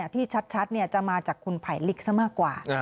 ที่ชัดจะมาจากคุณไผลลิกซะมากกว่า